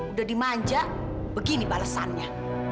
udah dimanja begini balesannya